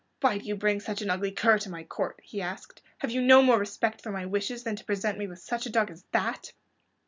"Why do you bring such an ugly cur to my court?" he asked. "Have you no more respect for my wishes than to present me with such a dog as that?"